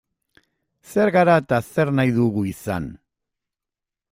Zer gara eta zer nahi dugu izan?